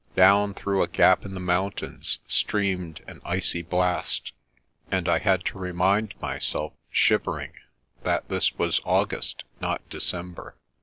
Down through a gap in the mountains streamed an icy blast, and I had to remind myself, shivering, that this was August, not December.